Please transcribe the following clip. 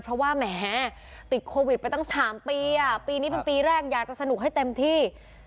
เพราะว่าแหมติดโควิดไปตั้ง๓ปีปีนี้เป็นปีแรกอยากจะสนุกให้เต็มที่